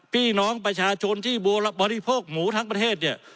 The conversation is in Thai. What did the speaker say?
พี่น้องประชาชนที่บริโภคหมูทั้งประเทศเนี่ย